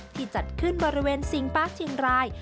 ที่จัดขึ้นบริเวณสิงห์ป้าเชียงราย